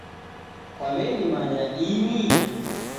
Kwaw'enimanya ini?